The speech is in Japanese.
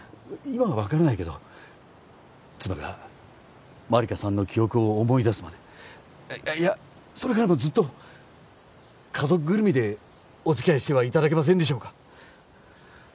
今は分からないけど妻が万理華さんの記憶を思い出すまでいやそれからもずっと家族ぐるみでお付き合いしてはいただけませんでしょうか？